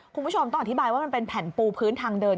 คุณผู้ชมต้องอธิบายว่ามันเป็นแผ่นปูพื้นทางเดิน